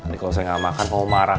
makanya cuma busuk nggak usah